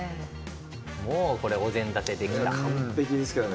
もう、お膳立てできた。